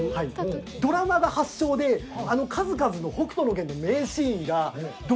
ドラマが発祥であの数々の『北斗の拳』の名シーンが。